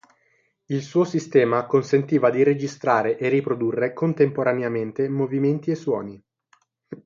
Il suo nuovo sistema consentiva di registrare e riprodurre contemporaneamente movimenti e suoni.